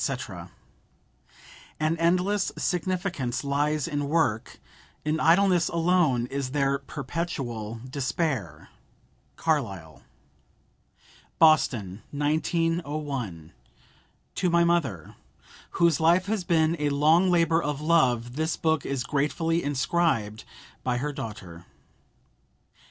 "An endless significance lies in work; in idleness alone is there perpetual despair."—CARLYLE. BOSTON: 1901. TO MY MOTHER, WHOSE LIFE HAS BEEN A LONG LABOR OF LOVE, THIS BOOK IS GRATEFULLY INSCRIBED BY HER DAUGHTER.